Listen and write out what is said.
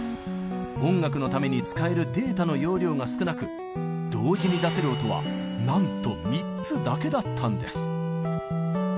音楽のために使えるデータの容量が少なく同時に出せる音はなんと３つだけだったんです。